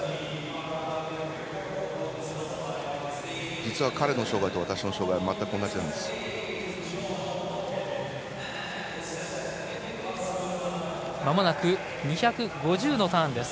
実は彼の障がいと私の障がいは全く同じなんです。